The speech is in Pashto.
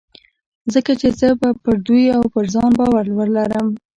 ځکه چې زه به پر دوی او پر ځان باور ولرم.